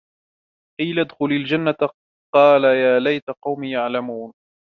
قيل ادخل الجنة قال يا ليت قومي يعلمون